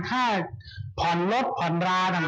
ถ้าผ่อนรถผ่อนราต่าง